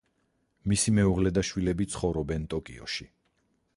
მისი მეუღლე და შვილები ცხოვრობენ ტოკიოში.